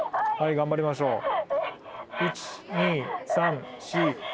はい頑張りましょう。